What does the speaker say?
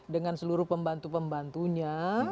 dengan seluruh pembantu pembantunya